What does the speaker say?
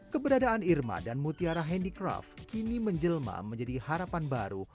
keberadaan irma dan mutiara handicraft kini menjelma menjadi harapan baru